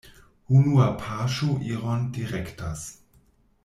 Unua paŝo iron direktas.